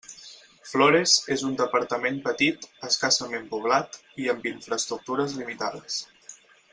Flores és un departament petit, escassament poblat, i amb infraestructures limitades.